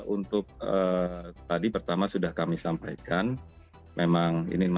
untuk tadi pertama sudah kami sampaikan